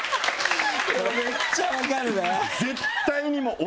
めっちゃ分かるな。